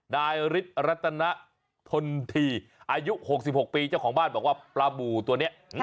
นายฤทธิรัตนทนทีอายุ๖๖ปีเจ้าของบ้านบอกว่าปลาบูตัวนี้